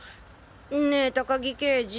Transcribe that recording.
ねえ高木刑事。